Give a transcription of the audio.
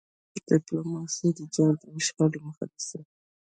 ډيپلوماسي د جنګ او شخړې مخه نیسي.